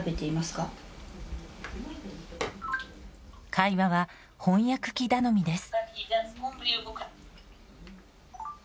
会話は翻訳機頼みです。